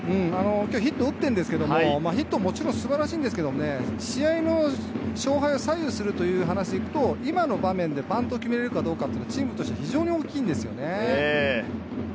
今日ヒットを打ってるんですけれども、ヒットは素晴らしいんですけれど、試合の勝敗を左右するという話でいくと今の場面でバントを決めるかどうかってのはチームとしては非常に大きいんですよね。